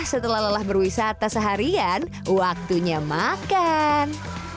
setelah lelah berwisata seharian waktunya makan